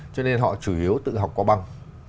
cho nên họ chủ yếu tự học qua băng